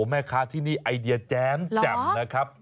แม่ค้าที่นี่ไอเดียแจมแหวะครับเหรอ